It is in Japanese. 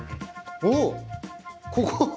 おっここ？